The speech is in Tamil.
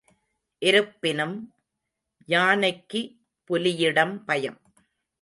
இருப்பினும், யானைக்கு புலியிடம் பயம்.